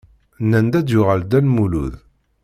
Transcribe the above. Nnan-d ad yuɣal Dda Lmulud.